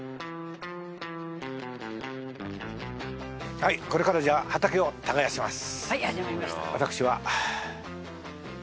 はいこれからじゃあ畑を耕します。